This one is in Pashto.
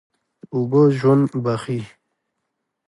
اوبه ژوند بښي.